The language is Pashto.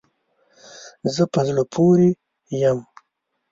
زه په زړه پوری یم